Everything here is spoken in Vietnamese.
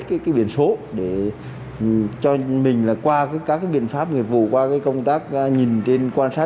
cà hết cái biển số để cho mình là qua các biện pháp nghiệp vụ qua cái công tác nhìn trên quan sát